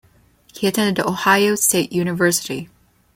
He attended Ohio State University.